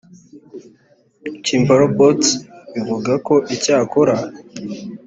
Chimpreports ivuga ko icyakora